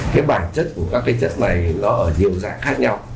cái bản chất của các cái chất này nó ở nhiều dạng khác nhau